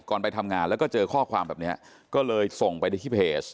ไปทำงานแล้วก็เจอข้อความแบบนี้ก็เลยส่งไปที่เพจ